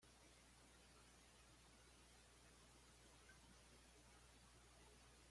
Comparte el mismo día de cumpleaños con su hermana Carol.